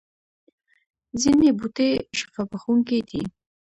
ځینې بوټي شفا بخښونکي دي